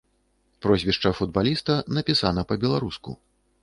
Прозвішча футбаліста напісана па-беларуску.